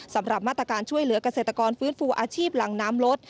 สำหรับมาตรการช่วยเหลือกเกษตรกรฟื้นฟูอาชีพหลังน้ำลด